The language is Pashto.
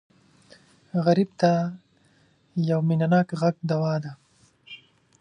غریب ته یو مینهناک غږ دوا ده